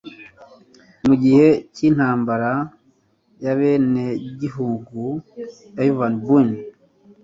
Mu gihe cy'intambara y'abenegihugu, Ivan Bunin